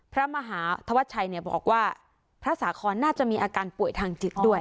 พระมหาธวัชชัยบอกว่าพระสาคอนน่าจะมีอาการป่วยทางจิตด้วย